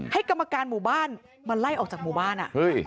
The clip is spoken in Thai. กรรมการหมู่บ้านมาไล่ออกจากหมู่บ้าน